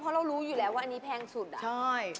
เพราะเรารู้อยู่แล้วว่าอันนี้แพงสุดอ่ะใช่